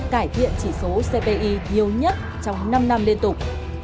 cải thiện chỉ số cpi nhiều nhất trong năm năm liên tục